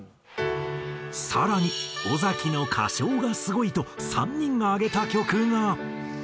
更に尾崎の歌唱がすごいと３人が挙げた曲が。